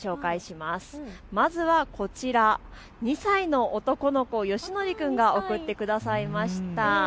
まずはこちら、２歳の男の子よしのり君が送ってくださいました。